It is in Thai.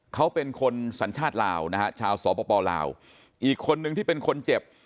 เขาเป็นคนสัญชาติลาวนะฮะชาวสปลาวอีกคนนึงที่เป็นคนเจ็บ